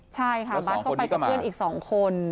ใช่ค่ะบัสก็ไปกับเพื่อนอีก๒คน